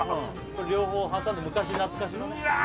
両方挟んで昔懐かしのねうわ